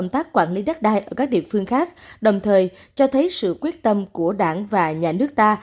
công tác quản lý đất đai ở các địa phương khác đồng thời cho thấy sự quyết tâm của đảng và nhà nước ta